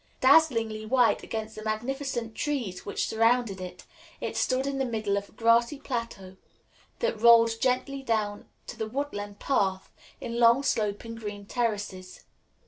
Dazzlingly white against the magnificent trees which surrounded it, it stood in the middle of a grassy plateau that rolled gently down to the woodland path in long sloping green terraces.